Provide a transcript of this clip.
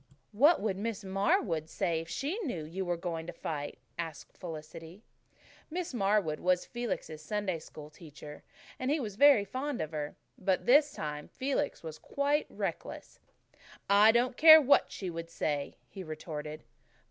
"What would Miss Marwood say if she knew you were going to fight?" asked Felicity. Miss Marwood was Felix' Sunday School teacher and he was very fond of her. But by this time Felix was quite reckless. "I don't care what she would say," he retorted.